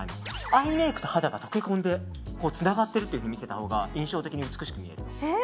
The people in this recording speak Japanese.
アイメイクと肌が溶け込んでつながっていると見せたほうが印象的に美しく見える。